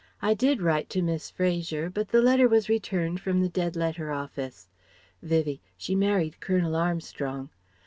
I did write to Miss Fraser, but the letter was returned from the Dead Letter office," (Vivie: "She married Colonel Armstrong.")